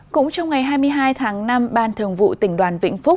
cũng trong ngày hai mươi hai tháng năm ban thường vụ tỉnh đoàn vịnh phú